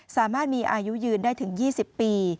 สามารถมีอายุยืนได้ถึง๒๐ปี